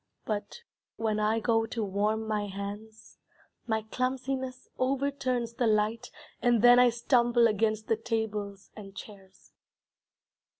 But when I go to warm my hands, My clumsiness overturns the light, And then I stumble Against the tables and chairs.